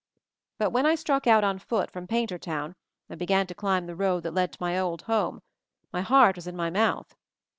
But when I struck out, on foot, from Paintertown, and began to climb the road that led to my old home, my heart was in my mouth.